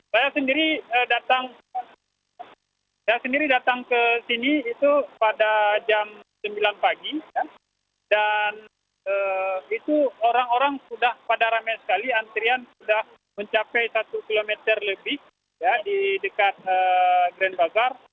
saya sendiri datang ke sini pada jam sembilan pagi dan orang orang sudah pada ramai sekali antrian sudah mencapai satu km lebih di dekat grand bazar